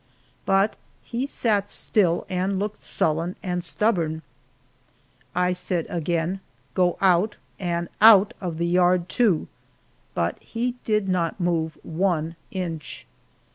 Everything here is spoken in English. But he sat still and looked sullen and stubborn. I said again, "Go out, and out; of the yard too." But he did not move one inch.